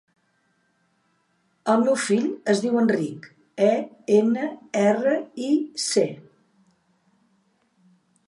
El meu fill es diu Enric: e, ena, erra, i, ce.